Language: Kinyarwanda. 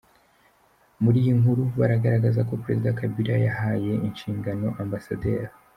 Muri iyi nkuru bagaragaza ko Perezida Kabila yahaye inshingano Amb.